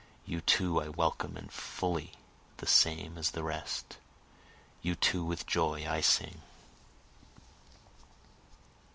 You too I welcome and fully the same as the rest! You too with joy I sing.